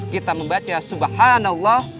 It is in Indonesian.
kita membaca subhanallah